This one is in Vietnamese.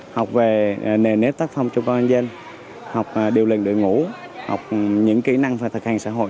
học về nền nếp tác phong cho con nhân dân học điều luyện đội ngũ học những kỹ năng phải thực hành xã hội